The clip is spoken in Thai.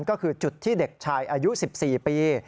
ก็คือจุดที่เด็กชายอายุ๑๔ปี